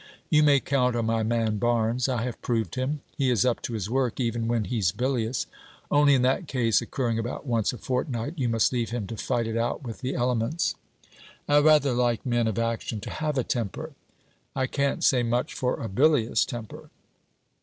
'You may count on my man Barnes; I have proved him. He is up to his work even when he's bilious: only, in that case, occurring about once a fortnight, you must leave him to fight it out with the elements.' 'I rather like men of action to have a temper.' 'I can't say much for a bilious temper.'